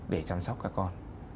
để chăm sóc các con